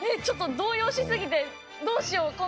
ちょっと動揺しすぎてどうしよう